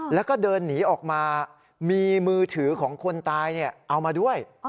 แล้วก็เดินหนีออกมามีมือถือของคนตายเอามาด้วย